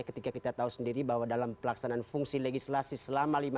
ketika kita tahu sendiri bahwa dalam pelaksanaan fungsi legislasi selama lima tahun